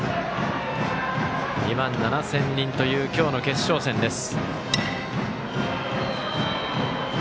２万７０００人という今日の決勝戦です。